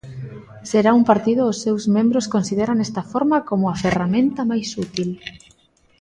Será un partido os seus membros consideran esta forma como a "ferramenta máis útil".